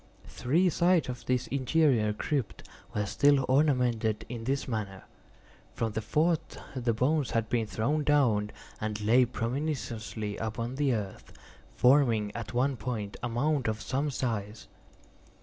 Three sides of this interior crypt were still ornamented in this manner. From the fourth the bones had been thrown down, and lay promiscuously upon the earth, forming at one point a mound of some size.